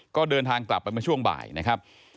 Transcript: ก็เดินทางกลับไปเมื่อช่วงบ่ายนะครับ